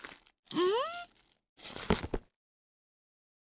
うん？